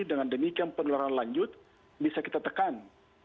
dengan demikian penularan lanjut bisa kita tekan